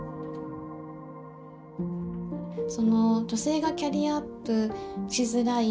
その女性がキャリアアップしづらい